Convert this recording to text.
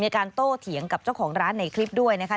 การโตเถียงกับเจ้าของร้านในคลิปด้วยนะคะ